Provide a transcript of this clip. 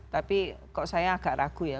tapi kok saya agak ragu ya